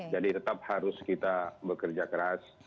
jadi tetap harus kita bekerja keras